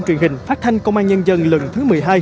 truyền hình phát thanh công an nhân dân lần thứ một mươi hai